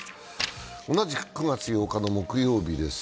同じく９月８日の木曜日です。